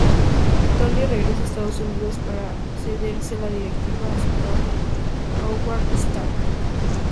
Tony regresa a Estados Unidos para cederle la directiva a su padre, Howard Stark.